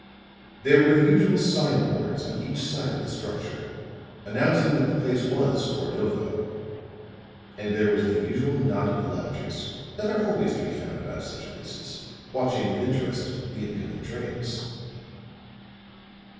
There were the usual signboards on each side of the structure, announcing that the place was Cordova; and there was the usual knot of loungers that are always to be found about such places watching with interest the incoming trains.